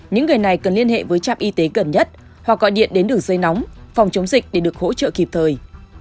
những người này cần liên hệ với trạm y tế gần nhất hoặc gọi điện đến đường dây nóng phòng chống dịch để được hỗ trợ kịp thời